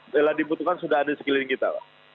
bila dibutuhkan sudah ada di sekeliling kita pak